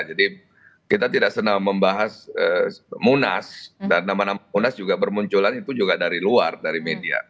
jadi kita tidak senang membahas munas dan nama nama munas juga bermunculan itu juga dari luar dari media